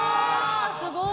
すごい！